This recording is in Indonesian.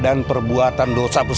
ada apa ya ada yang bisa dibantu